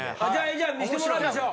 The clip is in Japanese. じゃあ見してもらいましょう。